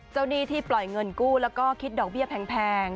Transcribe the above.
หนี้ที่ปล่อยเงินกู้แล้วก็คิดดอกเบี้ยแพง